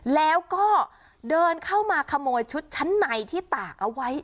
แล้วก็เดินเข้ามาขโมยชุดชั้นในที่ตากเอาไว้